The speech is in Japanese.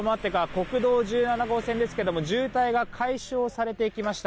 国道１７号線ですが渋滞が解消されてきました。